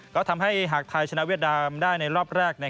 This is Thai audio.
ก็ทำให้หากไทยชนะเวียดนามได้ในรอบแรก